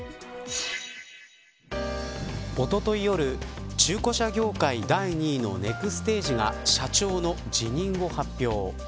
おととい夜、中古車業界第２位のネクステージが社長の辞任を発表。